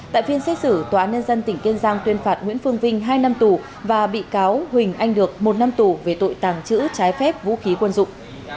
tại phiên xét xử tòa án nhân dân tỉnh kiên giang tuyên phạt nguyễn phương vinh hai năm tù và bị cáo huỳnh anh được một năm tù về tội tàng trữ trái phép vũ khí quân dụng